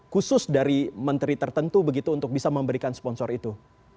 khusus dari menteri tertentu begitu untuk bisa memberikan sponsor itu